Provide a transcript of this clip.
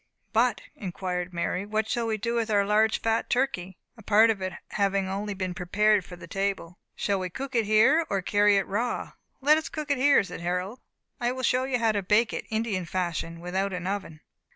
"But," inquired Mary, "what shall we do with our large fat turkey?" (a part of it only having been prepared for the table); "shall we cook it here, or carry it raw?" "Let us cook it here," said Harold; "I will show you how to bake it, Indian fashion, without an oven."